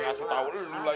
ga kasih tau